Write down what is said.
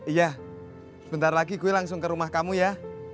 iya sebentar lagi gue langsung ke rumah kamu ya